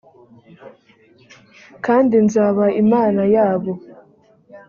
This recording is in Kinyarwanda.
kandi nzaba imana yabo